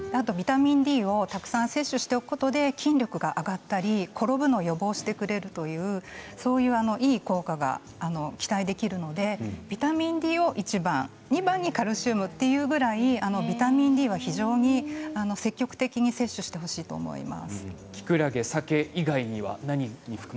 ビタミンＤはたくさん摂取しておくことで筋肉が上がったり転ぶのを予防してくれるといういい効果が期待できるのでビタミンＤをいちばん２番にカルシウムというぐらいビタミンＤは非常に積極的に摂取してほしいと思います。